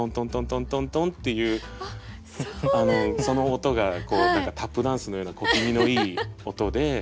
トントントンっていうその音が何かタップダンスのような小気味のいい音で。